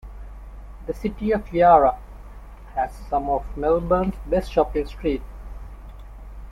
The City of Yarra has some of Melbourne's best shopping streets.